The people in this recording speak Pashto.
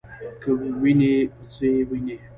کې وینې په څه یې وینې ؟